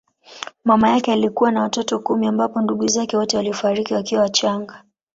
Mama yake alikuwa na watoto kumi ambapo ndugu zake wote walifariki wakiwa wachanga.